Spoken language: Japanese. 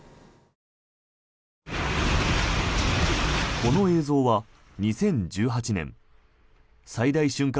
この映像は２０１８年最大瞬間